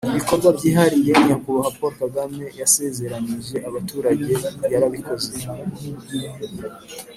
Ibikorwa byihariye Nyakubahwa Paul Kagame yasezeranyije abaturage yarabikoze.